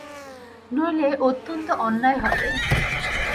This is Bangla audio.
নইলে অত্যন্ত অন্যায় হবে।